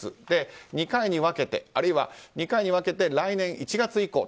２回に分けて、あるいは２回に分けて来年１月以降。